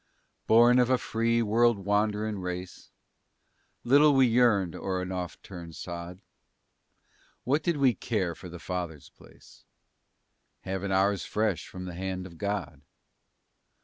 Born of a free, world wandering race, Little we yearned o'er an oft turned sod. What did we care for the fathers' place, Having ours fresh from the hand of God?